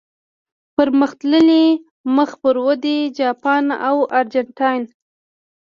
پرمختللي، مخ پر ودې، جاپان او ارجنټاین.